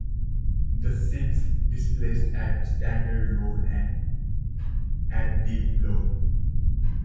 The ships displaced at standard load and at deep load.